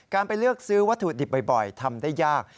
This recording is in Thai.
การไปเลือกซื้อวัตถุดิบบ่อยทำได้ยาก